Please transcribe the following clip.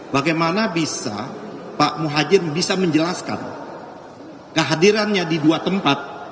bagaimana bisa pak muhajir bisa menjelaskan kehadirannya di dua tempat